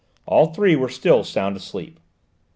All three were still sound asleep.